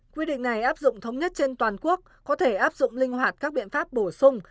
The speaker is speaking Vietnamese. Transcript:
quy định này áp dụng thống nhất trên toàn quốc có thể áp dụng linh hoạt các biện pháp bổ sung